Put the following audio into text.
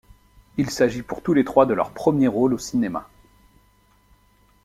Il s'agit pour tous les trois de leur premier rôle au cinéma.